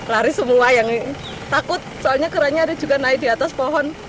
lari semua yang takut soalnya kerannya ada juga naik di atas pohon